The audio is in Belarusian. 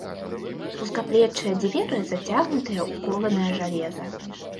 Вузкаплечыя дзверы зацягнутыя ў кованае жалеза.